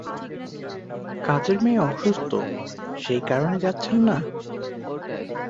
কাজের মেয়ে অসুস্থ, সেই কারণে যাচ্ছেন না?